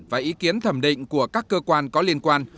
và ý kiến thẩm định của các cơ quan có liên quan